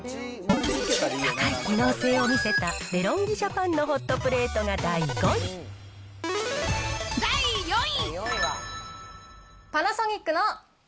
高い機能性を見せたデロンギ・ジャパンのホットプレートが第第４位。